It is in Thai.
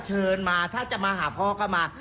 เชิญมาถ้าจะมาหาพ่อก็มา